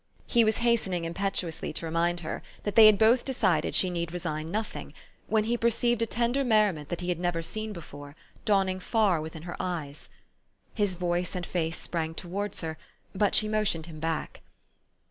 He was hastening impetuously to remind her that they had both decided she need resign nothing, when THE STORY OF AVIS. 201 he perceived a tender merriment that he had never seen before, dawning far within her eyes. His voice and face sprang towards her ; but she motioned him back.